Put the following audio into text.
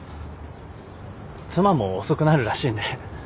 妻も遅くなるらしいんで。